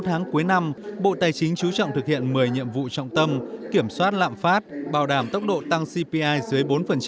sáu tháng cuối năm bộ tài chính chú trọng thực hiện một mươi nhiệm vụ trọng tâm kiểm soát lạm phát bảo đảm tốc độ tăng cpi dưới bốn